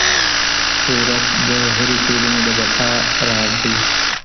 غیرت د هرې ټولنې د بقا راز دی.